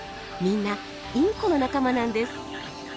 みんなインコの仲間なんです。